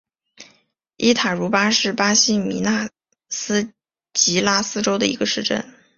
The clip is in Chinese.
伊塔茹巴是巴西米纳斯吉拉斯州的一个市镇。